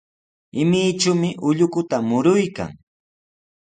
Imichumi ullukuta muruykan.